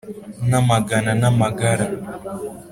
N’amagana n’amagara,